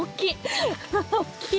大きい。